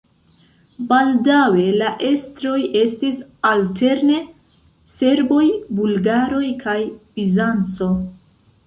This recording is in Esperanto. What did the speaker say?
Baldaŭe la estroj estis alterne serboj, bulgaroj kaj Bizanco.